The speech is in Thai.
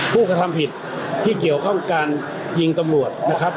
ผู้กระทำผิดที่เกี่ยวข้องการยิงตำรวจนะครับ